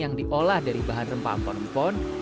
yang diolah dari bahan rempah empon empon